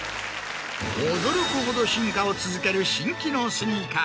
驚くほど進化を続ける新機能スニーカー。